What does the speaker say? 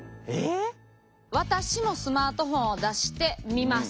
私もスマートフォンを出して見ます。